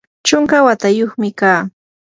chunka watayuqmi kaa.